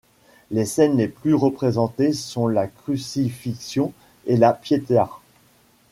Les scènes les plus représentées sont la crucifixion et la pietà.